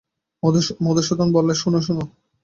মধুসূদন বললে, শোনো, শোনো।